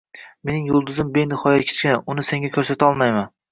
Mening yulduzim benihoya kichkina, uni senga ko‘rsatolmayman.